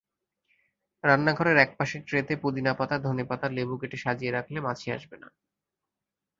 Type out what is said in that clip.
রান্নাঘরের একপাশে ট্রেতে পুদিনাপাতা, ধনেপাতা, লেবু কেটে সাজিয়ে রাখলে মাছি আসবে না।